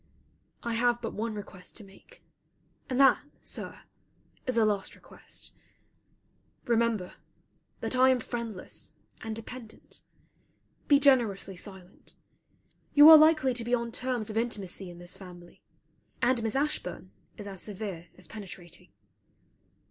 I have but one request to make; and that, Sir, is a last request. Remember that I am friendless and dependent. Be generously silent. You are likely to be on terms of intimacy in this family, and Miss Ashburn is as severe as penetrating.